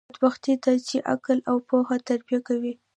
بدبختي ده، چي عقل او پوهه تربیه کوي.